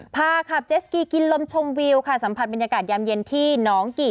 พาขับเจสกีกินลมชมวิวค่ะสัมผัสบรรยากาศยามเย็นที่น้องกี่